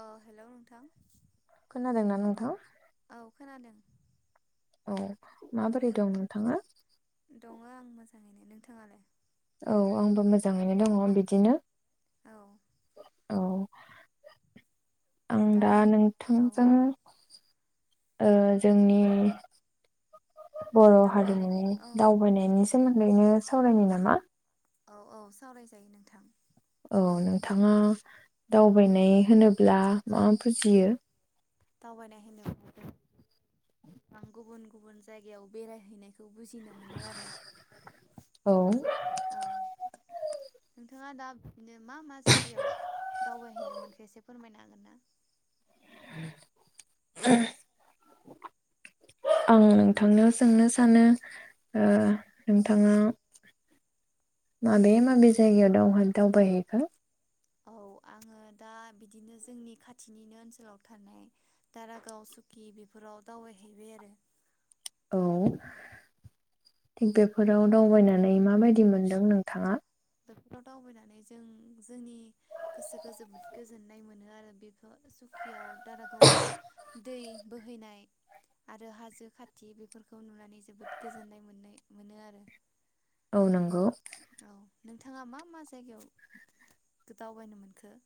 अ hello नोंथां। थां औ खोनादों। औ औ माबोरै दं नोंथाङा? दङ आं मोजाङैनो नोंथाङालाय? औ आंबो मोजाङैनो दङ बिदिनो औ [inaudible] औ आं दा औ नोंथांजों ओ जोंनि बर दावबायनायनि हारिमुनि औ दावबायनायनि सोमोन बेनो सावरायनाय नामा? औ औ सावरायजायो नोंथां। औ नोंथाङा दावबायनाय होनोब्ला मा बुजियो? दावबायनाय होनोब्ला आं गुबुन गुबुन जायगायाव बेरायहैनायखौ बुजिनो मोनो आरो औ औ नोंथाङा दा बिदिनो मा मा जायगायाव दावबायहैनो मोनखो इसे फोरमायनो हागोन ना? आं नोंथांनियाव सोंनो सानो ओ नोंथाङा माबे माबे जायगायाव दावहा दावबायहैखो? औ आङो दा बिदिनो जोंनि खाथिनिनो ओनसोलाव थानाय दारागाव सुकि बेफोराव दावबायहैबाय आरो अ बेफ फोराव दावबायनानै माबायदि? मोनदों नोंथाङा? बेफोराव दावबायनानै जों जोंनि गोसोखौ जोबोद गोजोननाय मोनो आरो बेफोर सुखियाव दारागावआव दै बोहैनाय आरो हाजो खाथि बेफोरखौ नुनानै जोबोद गोजोननाय मोननाय मोनो आरो औ नोंगौ। औ नोंथाङा मा मा जायगायाव दावबायनो मोनखो?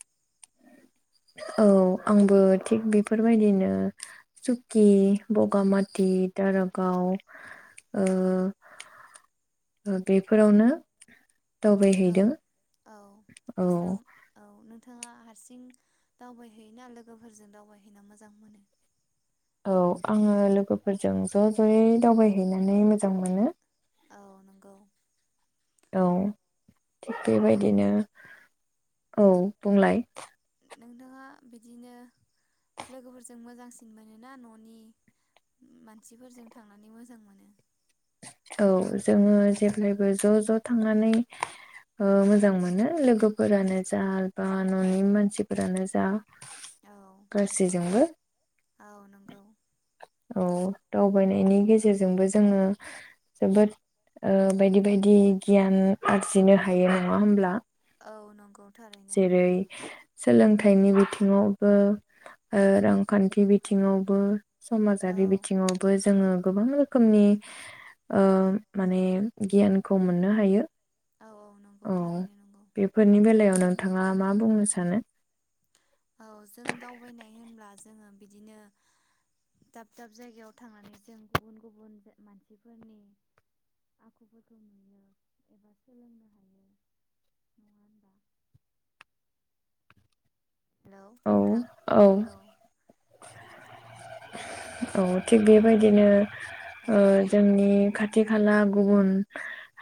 औ आंबो थिग बेफोरबायदिनो सुकि बगामात ति दारागाव ओ औ ओ बेफोरावनो दावबायहैदों औ औ नोंस्रा औ नोंथाङा हारसिं दावबायहैयोना लोगोफोरजों दावबायहैना मोजां मोनो? औ आङो लोगोफोरजों ज' जयै दावबायहैनानै मोजां मोनो। औ नंगौ औ थिग दा बेबायदिनो औ बुंलाय नोंथाङा बिदिनो लोगोफोरजों मोजांसिन मोनो ना ननि मानसिफोरजों थांनानै मोजां मोनो? औ जोङो जेब्लायबो ज' ज' थांनानै ओ मोजां मोनो लोगोफोरानो जा बा ननि मानसिफोरानो जा औ गासैजोंबो औ नंगौ औ दावबायनायनि गेजेरजोंबो जोङो जोबोद ओ बायदि बायदि गियान आरजिनो हायो नङा होमब्ला? औ नंगौ थारैनो जेरै सोलोंथाइनि बिथिङावबो ओ रांखान्थि बिथिङावबो औ समाजारि बिथिङावबो जोङो गोबां रोखोमनि ओ माने गियानखौ मोननो हायो। औ औ नंगौ औ थारैनो नंगौ बेफोरनि बेलायाव नोंथाङा मा बुंनो सानो? औ जों दावबायनाय होनब्ला जोङो बिदिनो दाब दाब जायगायाव थांनानै जों गुबुन गुबुन मानसिफोरनि आखुफोरखौ नुयो एबा सोलोंनो हायो नङा होनबा? हेलौ औ नोंथां औ औ थिग बेबायदिनो औ ओ जोंनि खा थि खाला गुबुन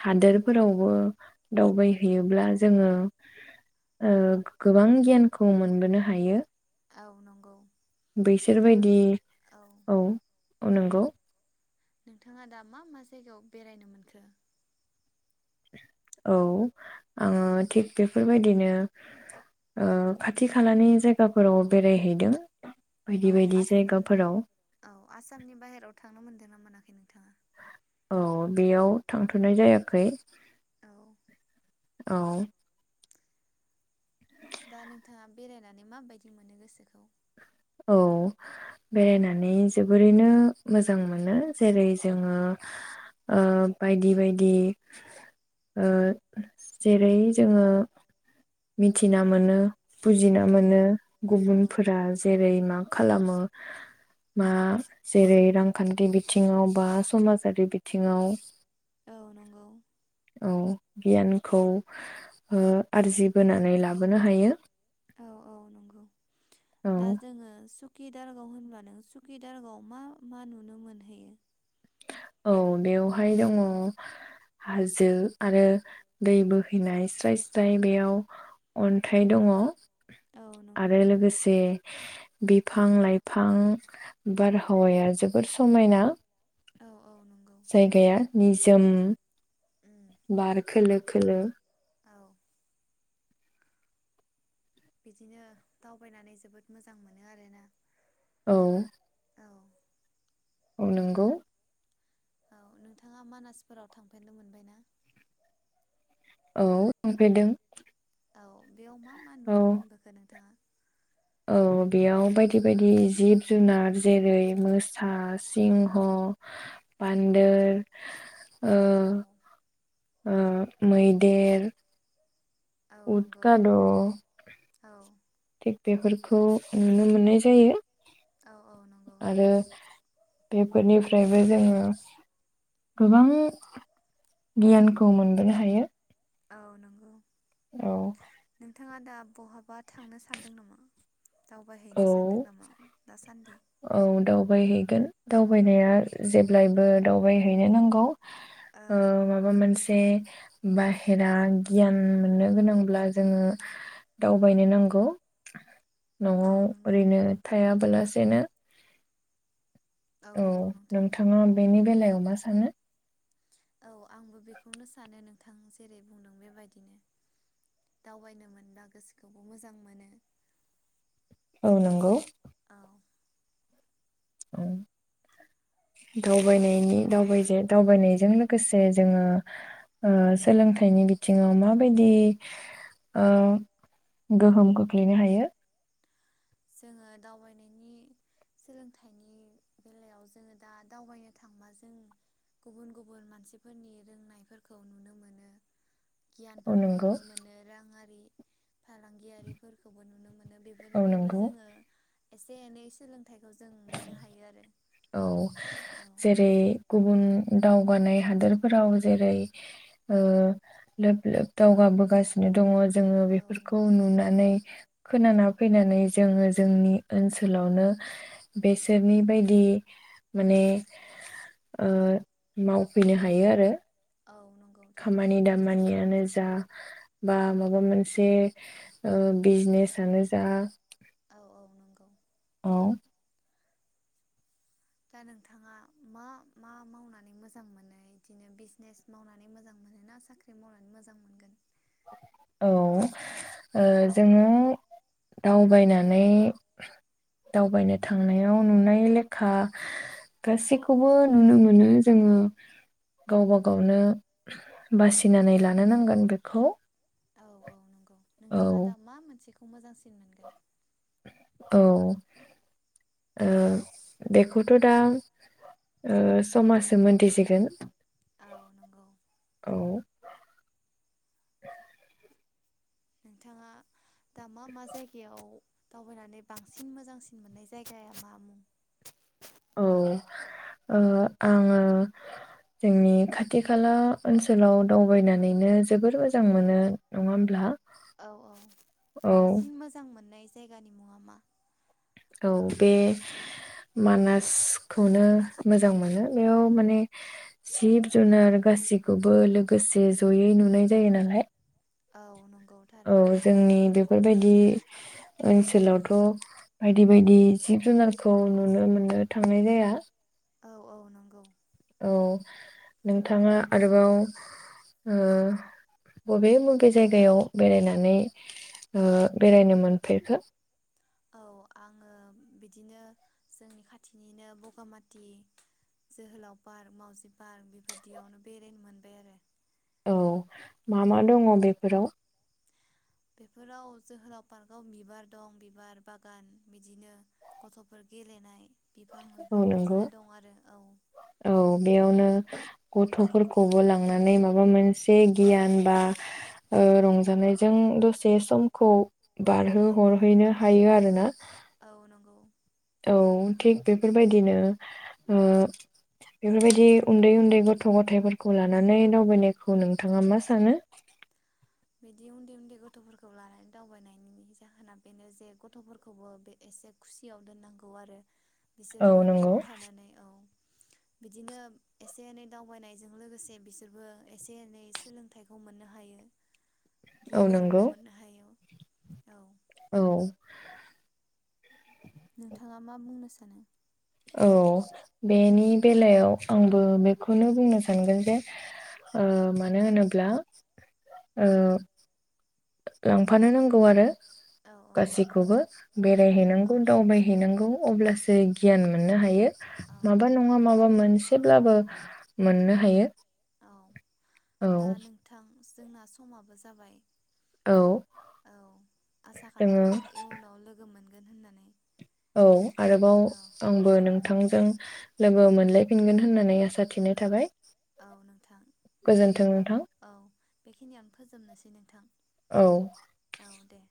हादोरफोरावबो दावबायहैयोब्ला जोङो ओ गोबां गियानखौ मोनबोनो हायो। औ नंगौ। नोंथां बैसोरबायदि औ। औ नोंगौ नोंथाङा दा मा मा जायगायाव बेरायनो मोनखो? औ आङो थिग बेफोरबायदिनो ओ खाथि खालानि जायगाफोराव बेरायहैदों। औ बायदि बायदि आसामनि जायगाफोराव औ आसामनि बाहेराव थांनो मोनदों ना मोनाखै नोंथाङा? औ बेयाव थांथनाय जायाखै। औ औ दा नोंथाङा बेरायनानै माबायदि मोनो गोसोखौ? औ बेरायनानै जोबोरैनो मोजां मोनो जेरै जोङो ओ बायदि बायदि ओ जेरै जोङो मिथिना औ मोनो बुजिना औ मोनो औ गुबुनफोरा यै मा खालामो मा जेरै रांखान्थि बिथिङाव बा समाजारि बिथिङाव। औ नंगौ औ गियानखौ ओ आरजिबोनानै लाबोनो हायो। औ औ नंगौ औ दा जोङो सुकि दारगाव होनबा नों सुकि दारगाव मा मा नुनो मोनहैयो? औ बेवहाय दङ हाजो आरो दै बोहैनाय स्राय स्राय बेयाव अन्थाइ दङ। औ नंगौ आरो लोगोसे बिफां लाइफां बारहावाया जोबोर समायना। औ औ नंगौ जायगाया निजोम। उम बार खोलो खोलो। औ बिदिनो दावबायनानै जोबोद मोजां मोनो आरोना। औ। औ औ नोंगौ। औ नोंथाङा मानासफोराव थांफेरनो मोनबाय ना? औ थांफेरदों। औ बेयाव मा मा नुनो औ मोनबोखो नोंथाङा? औ बेयाव बायदि बायदि जिब जुनार जेरै मोसा सिंह' बान्दोर ओ औ ओ मैदेर। औ नंगौ उदगाद' औ बेफोरखौ नुनो मोननाय जायो। औ औ नंगौ आरो नोंथां बेफोरनिफ्रायबो जोङो गोबां गियानखौ मोनबोनो हायो। औ नंगौ। औ नोंथाङा दा बहाबा थांनो सानदों नामा? दावबायहैनो औ सानदों नामा दासान्दि? गोन दावबायनाया जेब्लायबो दावबायहैनो नांगौ औ ओ माबा मोनस बे बाहेरा गियान मोननो गोनांब्ला जोङो दावबायनो नांगौ। नआव औ नंगौ ओरैनो थायाब्ला सेनो औ नंगौ नोंथां नोंथाङा बेनि बेलायाव मा सानो? औ आंबो बेखौनो सानो नोंथां जेरै बुंदों बेबायदिनो दावबायनो मोनब्ला गोसोखौबो मोजां मोनो। औ नंगौ। औ। उम दावबायनायनि दावबायसे दावबायनायजों लोगोसे जोङो ओ सोलोंथाइनि बिथिङाव माबायदि ओ गोहोम खोख्लैनो हायो? जोङो दावबायनायनि सोलोंथाइनि बेलायाव जोङो दा दावबायनो थांबा जों गुबुन गुबुन मानसिफोरनि रोंनायफोरखौ नुनो मोनो औ गियानफोरखौ नंगौ नुनो मोनो राङारि फालांगियारिफोरखौबो नुनो मोन औ बेफोरनिफ्राय बा नंगौ जोङो एसे एनै सोलोंथाइखौ जों मोननो हायो आरो औ औ जेरै गुबुन दावगानाय हादोरफोराव जेरै लोब लोब दावगाबोगासिनो दङ जोङो औ बेफोरखौ नंगौ नुनानै खोनाना फैनानै जोङो जोंनि ओनसोलावनो बेसोरनि बायदि माने मावफैनो हायो आरो औ नंगौ थारैनो खामानि दामानियानो जा बा माबा मोनसे बिजनेसनो जा औ औ नंगौ औ। दा नोंथाङा मा मा मावनानै मोजां मोनो? बिदिनो बिजनेस मावनानै मोजां मोनो ना? साख्रि मावनानै मोजां मोनगोन? औ जोङो दावबायनानै दावबायनो थांनायाव नुनाय लेखा गासैखौबो नुनो मोनो जोङो गावबा गावनो बासिनानै लानो नांगोन बेखौ औ औ नंगौ औ नोंथाङा दा मा मोनसे खौ मोजांसिन मोनगोन? औ बेखौथ दा समाजसो मोनथिसिगोन। औ नंगौ औ। नोंथाङा दा मा मा जायगायाव दावबायनानै बांसिन मोजांसिन मोननाय जायगाया मा मुं? औ आङो आङो जोंनि खाथि खाला ओनसोलाव दावबायनानैनो जोबोर मोजां मोनो नङा होमब्ला औ औ औ बांसिन मोजां मोननाय जायगानि मुंआ मा औ बे मानासखौनो मोजां मोनो बेयाव माने जिब जुनार गाससिखौबो लोगोसे जयै नुनाय जायो नालाय औ नंगौ औ थारैनो जोंनि बेफोरबायदि ओनसोलावथ बायदि बायदि जिब जुनारखौ नुनो मोननो थांनाय जाया औ औ नंगौ औ नोंथाङा आरोबाव ओ बबे बबे जायगायाव बेरायनानै ओ बेरायनो मोनफेरखो औ आङो बिदिनो जोंनि खाथिनिनो बगामाथि जोहोलाव पार्क मावजि पार्क बेफोरदियावनो बेरायनो मोनबाय आरो औ मा औ मा दङ बेफोराव बेफोराव जोहोलाव पार्कआव बिबार दं बिबार बागान बिदिनो गथफोर गेलेनाय बिफां औ लाइफां नंगौ बिदिनो दं आरो औ औ बेयावनो गथफोरखौबो लांनानै माबा मोनसे गियान बा ओ रंजानायजों दसे समखौ बारहो हरहैनो हायो आरोना औ नंगौ औ थिग बेफोरबायदिनो ओ बेफोरबायदि उन्दै उन्दै गथ गथायाइफोरखौ लानानै दावबायनायखौ नोंथाङा मा सानो बिदि उन्दै उन्दै गथफोरखौ लानानै दावबायनायनि जाहोना बेनो जे गथफोरखौबो बे एसे खुसियाव दोननांगौ आरो औ बिसोरबो नआव नंगौ थानानै औ बिदिनो एसे एनै दावबायनायजों लोगोसे बिसोरबो एसे एनै सोलोंथाइखौ मोननो हायो औ गियानखौबो नंगौ मोननो हायो। औ। औ। नोंथाङा मा बुंनो सानो? औ बेनि बेलायाव आंबो बेखौनो बुंनो सानगोन जे ओ मानो होनोब्ला ओ लांफानो नांगौ आरो। औ औ नंगौ गासैखौबो औ बेरायहैनांगौ दावबाय हैनांगौ अब्लासो गियान मोननो हायो औ औ माबा नङा माबा मोनसेब्लाबो मोननो हायो। औ औ दा नोंथां? जोंना समाबो जाबाय। औ औ आसा जोङो खालामो इयुनाव लोगो मोनगोन गोन होननानै। औ आरोबाव औ आंबो नों थांजों लोगो मोनलायफिनगोन होननानै आसा थिनाय थाबाय। औ नोंथां दे गोजोन्थों बिदिब्ला नोंथां औ। बेखिनियानो फोजोबनोसै नोंथां। औ। औ दे।